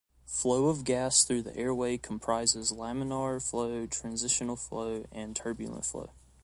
Flow of gas through the airway comprises laminar flow, transitional flow and turbulent flow.